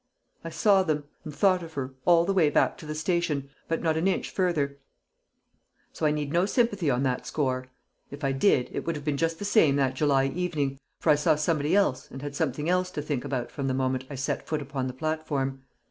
I saw them, and thought of her, all the way back to the station, but not an inch further. So I need no sympathy on that score. If I did, it would have been just the same that July evening, for I saw somebody else and had something else to think about from the moment I set foot upon the platform.